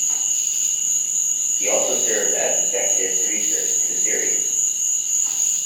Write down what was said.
He also served as Executive Producer to the series.